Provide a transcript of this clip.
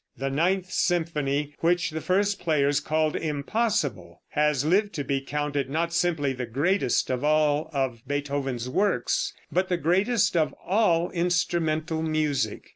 The ninth symphony, which the first players called impossible, has lived to be counted not simply the greatest of all of Beethoven's works, but the greatest of all instrumental music.